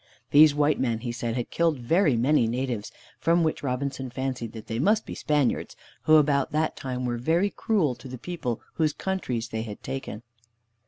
These white men, he said, had killed very many natives, from which Robinson fancied that they must be Spaniards, who about that time were very cruel to the people whose countries they had taken.